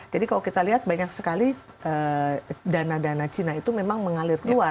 jadi kalau kita lihat banyak sekali dana dana china itu memang mengalir ke luar